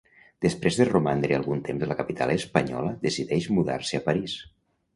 Després de romandre algun temps a la capital espanyola decideix mudar-se a París.